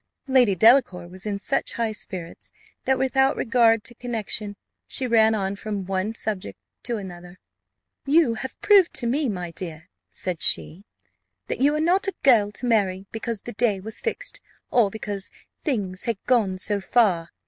Lady Delacour was in such high spirits that, without regard to connexion, she ran on from one subject to another. "You have proved to me, my dear," said she, "that you are not a girl to marry, because the day was fixed, or because things had gone so far.